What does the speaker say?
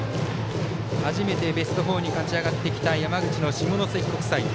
初めてベスト４に勝ち上がってきた山口の下関国際。